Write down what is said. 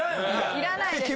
いらないです。